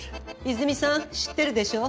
いづみさん知ってるでしょ？